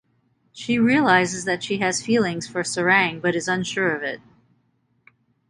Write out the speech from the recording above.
She realizes that she has feelings for Sarang but is unsure of it.